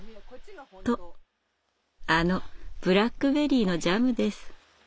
とあのブラックベリーのジャムです。